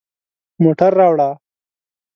موټر راوړه